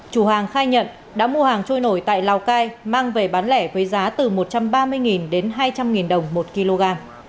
chủ hàng khai nhận đã mua hàng trôi nổi tại lào cai mang về bán lẻ với giá từ một trăm ba mươi đến hai trăm linh đồng một kg